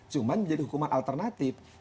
cuma menjadi hukuman alternatif